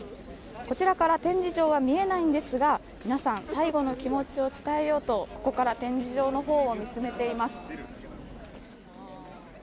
こちらから展示場は見えないんですが皆さん最後の気持ちを伝えようとここから展示場のほうを見つめています。